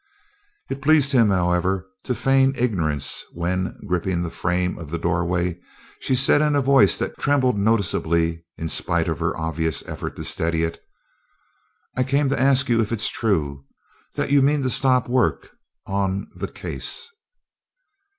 It pleased him, however, to feign ignorance when, gripping the frame of the doorway, she said in a voice that trembled noticeably in spite of her obvious effort to steady it: "I came to ask you if it's true that you mean to stop work on the case?"